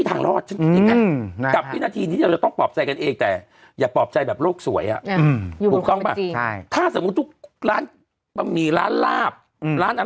ก็ฟังอย่างเบี๊ยมว่า